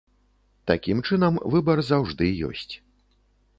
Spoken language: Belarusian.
Такім чынам, выбар заўжды ёсць.